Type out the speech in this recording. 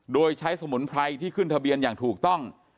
โดยใช้สมุนไพรที่ขึ้นทะเบียนอย่างถูกต้อง